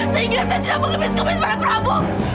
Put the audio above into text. sehingga saya tidak mengibis ibis pada prabu